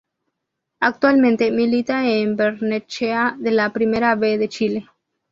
Actualmente milita en Barnechea de la Primera B de Chile.